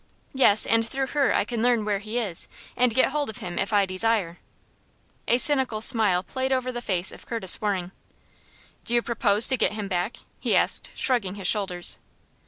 "Yes; and through her I can learn where he is, and get hold of him if I desire." A cynical smile played over the face of Curtis Waring. "Do you propose to get him back?" he asked, shrugging his shoulders.